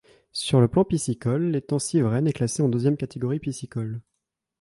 Sur le plan piscicole, l'Étang Civrenne est classé en deuxième catégorie piscicole.